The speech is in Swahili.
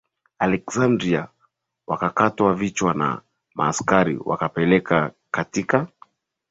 Aleksandria Wakakatwa vichwa na maaskari wakapelekwa katika